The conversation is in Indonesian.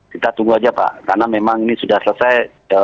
kita tunggu aja pak karena memang ini sudah selesai